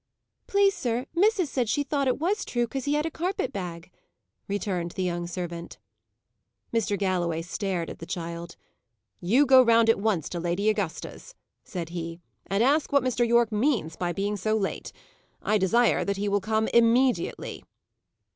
"Please, sir, missis said she thought it was true, 'cause he had a carpet bag," returned the young servant. Mr. Galloway stared at the child. "You go round at once to Lady Augusta's," said he, "and ask what Mr. Yorke means by being so late. I desire that he will come immediately."